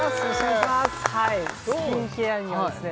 スキンケアにはですね